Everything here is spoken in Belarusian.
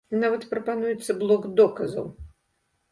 Нават прапануецца блок доказаў.